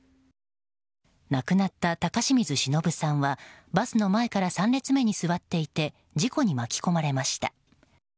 亡くなった高清水忍さんはバスの前から３列目に座っていて事故に巻き込まれました。